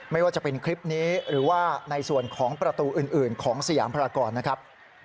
ไม่ว่าจะเป็นคลิปนี้หรือว่าในส่วนของประตูอื่นของสยามพรากรนะครับ